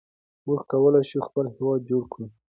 موږ کولای شو خپل هېواد جوړ کړو.